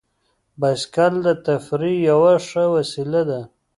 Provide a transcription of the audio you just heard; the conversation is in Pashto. بایسکل د تفریح یوه ښه وسیله ده.